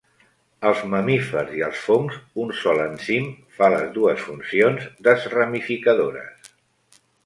Als mamífers i als fongs, un sol enzim fa les dues funcions desramificadores.